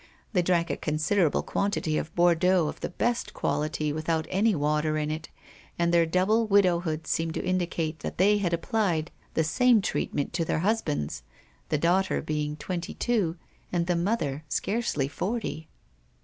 They drank a considerable quantity of Bordeaux of the best quality without any water in it, and their double widowhood seemed to indicate that they had applied the same treatment to their husbands, the daughter being twenty two and the mother scarcely forty.